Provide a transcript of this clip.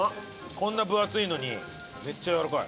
こんな分厚いのにめっちゃやわらかい。